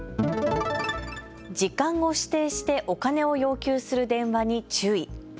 時間を指定してお金を要求する電話に注意。